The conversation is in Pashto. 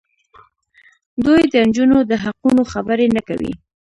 دوی د نجونو د حقونو خبرې نه کوي.